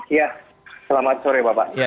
iya selamat sore bapak